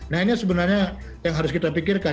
nah ini sebenarnya yang harus kita pikirkan